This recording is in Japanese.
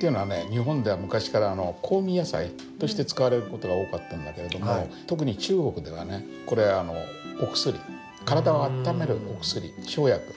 日本では昔から香味野菜として使われる事が多かったんだけれども特に中国ではねこれお薬体をあっためるお薬生薬。